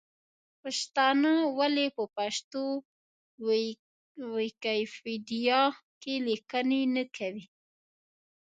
پښتانه ولې په پښتو ویکیپېډیا کې لیکنې نه کوي ؟